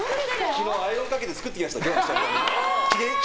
昨日、アイロンかけて作ってきました。